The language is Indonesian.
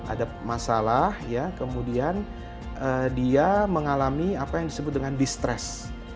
ada masalah ya kemudian dia mengalami apa yang disebut dengan distres